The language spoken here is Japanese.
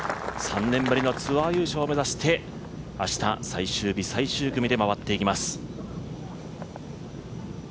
３年ぶりのツアー優勝を目指して明日最終日最終組で回ってきます。